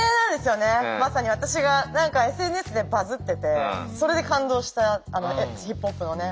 まさに私がＳＮＳでバズっててそれで感動したＧーＰＯＰのね。